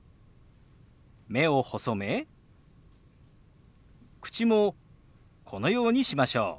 目を細め口もこのようにしましょう。